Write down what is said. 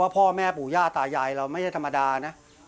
พ่อแม่ปู่ย่าตายายเราไม่ได้ธรรมดานะ